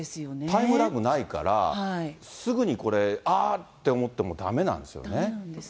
タイムラグないから、すぐにこれ、ああって思っても、だめなんですよね。